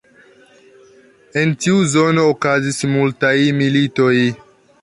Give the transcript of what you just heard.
En tiu zono okazis multaj militoj.